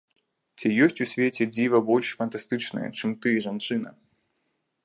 Ці ёсць у свеце дзіва больш фантастычнае, чым ты, жанчына!